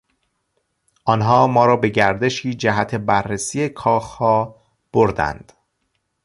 آنها ما را به گردشی جهت بررسی کاخها بردند.